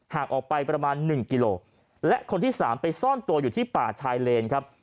หากออกไปประมาณหนึ่งกิโลและคนที่สามไปซ่อนตัวอยู่ที่ป่าชายเลนครับ